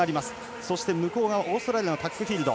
そして、オーストラリアのタックフィールド